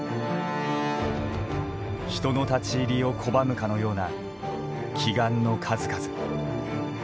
人の立ち入りを拒むかのような奇岩の数々。